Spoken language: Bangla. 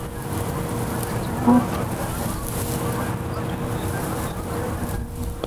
স্টলে বাংলাদেশি পোশাক, জুয়েলারি, কসমেটিক, বই, সিডি এবং বিভিন্ন ধরনের খাবার।